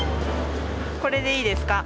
これでいいですか？